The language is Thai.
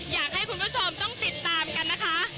อยากให้คุณผู้ชมต้องติดตามกันนะคะ